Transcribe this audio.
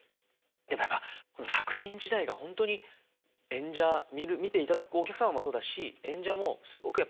でもやっぱ作品自体がほんとに見ていただくお客様もそうだし演者もすごくやっぱ苦しい作品なんですよ。